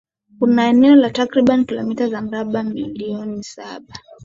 Una eneo la takribani kilomita za mraba milioni saba